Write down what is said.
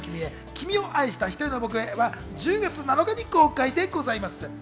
『君を愛したひとりの僕へ』は１０月７日に公開でございます。